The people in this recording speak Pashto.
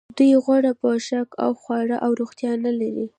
دوی غوره پوښاک او خواړه او روغتیا نلري